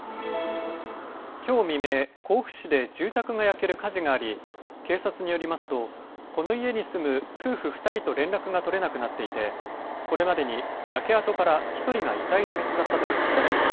きょう未明、甲府市で住宅が焼ける火事があり警察によりますとこの家に住む夫婦２人と連絡が取れなくなっていてこれまでに焼け跡から１人が遺体で見つかったということです。